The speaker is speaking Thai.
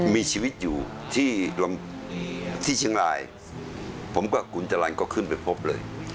มีชีวิตอยู่ที่เชียงรายผมกับคุณจรรย์ก็ขึ้นไปพบเลย